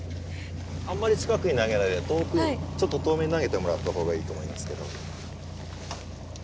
あんまり近くに投げないで遠めに投げてもらった方がいいと思いますけど。